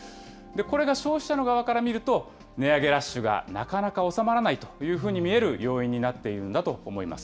これが消費者の側から見ると、値上げラッシュがなかなか収まらないというふうに見える要因になっているんだと思います。